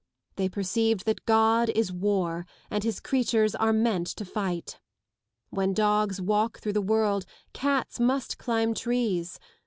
They perceived that God is war and his creatures are meant to fight. When dogs walk through the world cats must climb trees.